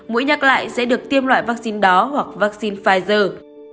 mũi nhắc lại sẽ được tiêm loại vaccine đó hoặc vaccine pfizer